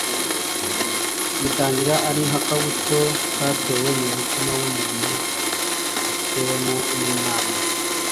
Bitangira ari nk’akabuto katewe mu mutima w’umuntu gatewemo n’Imana,